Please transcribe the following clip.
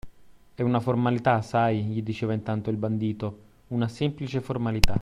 È una formalità, sai, gli diceva intanto il bandito, una semplice formalità.